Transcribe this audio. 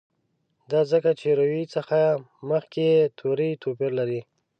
دا ځکه چې روي څخه مخکي یې توري توپیر لري.